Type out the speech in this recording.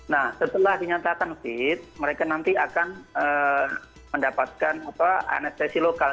nah setelah dinyatakan fit mereka nanti akan mendapatkan anestesi lokal